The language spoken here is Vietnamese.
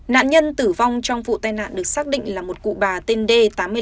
nạn nhân tử vong trong vụ tai nạn được xác định là một cụ bà tên d tám mươi bảy